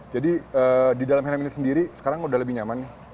jadi di dalam helm ini sendiri sekarang sudah lebih nyaman